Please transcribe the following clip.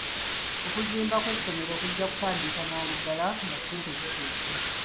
Okuzimba kw'essomero kujja kutandika mangu ddala nga ssente zituuse.